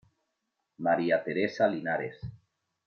María Teresa Linares.